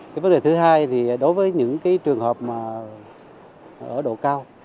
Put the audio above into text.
cái vấn đề thứ hai thì đối với những cái trường hợp mà ở độ cao